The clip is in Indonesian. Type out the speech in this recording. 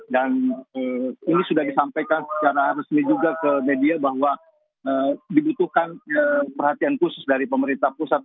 dan ini sudah disampaikan secara resmi juga ke media bahwa dibutuhkan perhatian khusus dari pemerintah pusat